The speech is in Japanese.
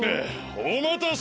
おまたせ。